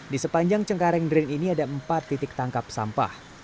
di sepanjang cengkareng drene ini ada empat titik tangkap sampah